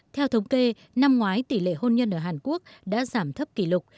theo thống kê năm ngoái tỷ lệ hôn nhân ở hàn quốc đã giảm thấp kỷ lục